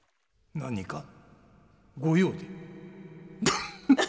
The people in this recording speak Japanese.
何かご用で。